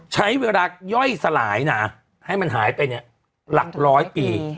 ใช้เวลาย่อยสลายให้มันหายไปหลัก๑๐๐ปี